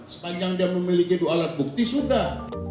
sepanjang dia memiliki dua alat bukti sudah